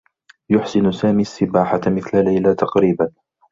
يحسن سامي السّباحة مثل ليلى تقريبا.